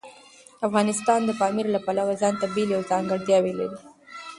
افغانستان د پامیر له پلوه ځانته بېلې او ځانګړتیاوې لري.